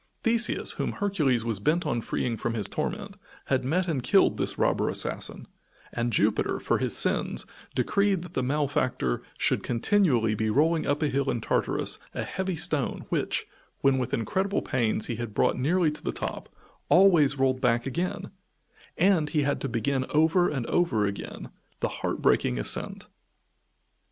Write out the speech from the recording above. Theseus, whom Hercules was bent on freeing from his torment, had met and killed this robber assassin, and Jupiter, for his sins, decreed that the malefactor should continually be rolling up a hill in Tartarus a heavy stone which, when with incredible pains he had brought nearly to the top, always rolled back again, and he had to begin over and over again the heart breaking ascent.